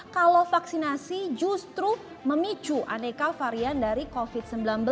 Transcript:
kalau vaksinasi justru memicu aneka varian dari covid sembilan belas